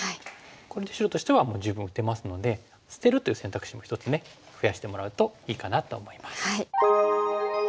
これで白としてはもう十分打てますので捨てるという選択肢も一つね増やしてもらうといいかなと思います。